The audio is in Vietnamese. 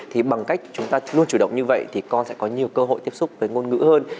thì bằng cách chúng ta luôn chủ động như vậy thì con sẽ có nhiều cơ hội tiếp xúc với ngôn ngữ hơn